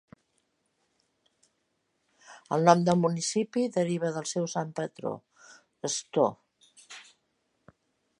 El nom del municipi deriva del seu sant patró, Sto.